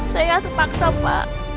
saya terpaksa pak